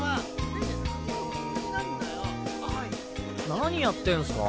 何やってんスか？